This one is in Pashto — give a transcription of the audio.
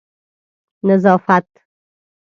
نظافت